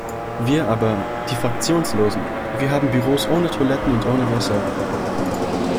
Wir aber, die Fraktionslosen, wir haben Büros ohne Toiletten und ohne Wasser!